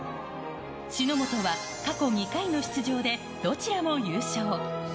志のもとは、過去２回の出場でどちらも優勝。